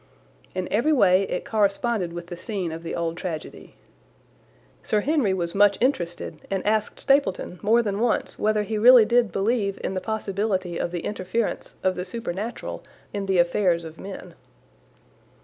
In every way it corresponded with the scene of the old tragedy. Sir Henry was much interested and asked Stapleton more than once whether he did really believe in the possibility of the interference of the supernatural in the affairs of men.